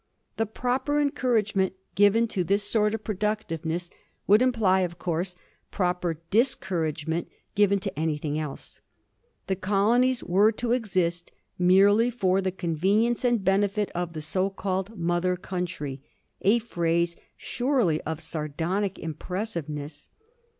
The proper encourage ment given to this sort of productiveness would imply, of course, proper discouragement given to anything else. The colonies were to exist merely for the convenience and benefit of the so called mother country, a phrase surely of sardonic impressiveness.